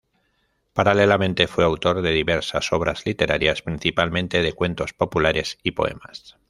Paralelamente, fue autor de diversas obras literarias, principalmente de cuentos populares y poemas.